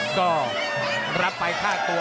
ก็รับไปค่าตัว